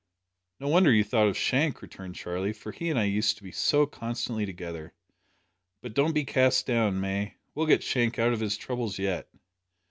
"No wonder you thought of Shank," returned Charlie, "for he and I used to be so constantly together. But don't be cast down, May. We'll get Shank out of his troubles yet."